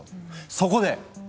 そこで！